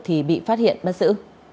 thì bị phát hiện bắt giữ